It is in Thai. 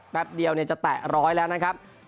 แป๊บเดียวจะแตะร้อยแล้วนะครับ